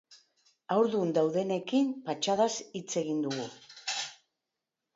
Haurdun daudenekin patxadaz hitz egin dugu.